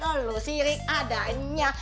kalo lu sirik adanya